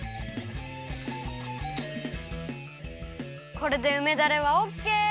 これでうめだれはオッケー！